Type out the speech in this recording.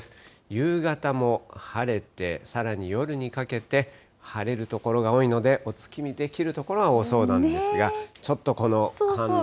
夕方も晴れて、さらに夜にかけて晴れる所が多いので、お月見できる所は多そうなんですが、ちょっとこの関東。